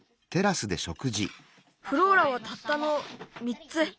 フローラはたったの３つ。